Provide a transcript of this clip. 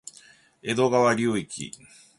江戸川流域